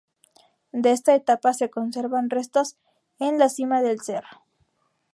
De esta etapa se conservan restos en la cima del cerro.